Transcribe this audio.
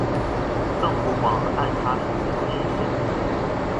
赠湖广按察使司佥事。